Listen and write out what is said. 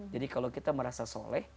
jadi kalau kita merasa soleh